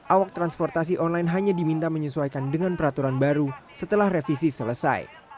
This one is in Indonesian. awak transportasi online hanya diminta menyesuaikan dengan peraturan baru setelah revisi selesai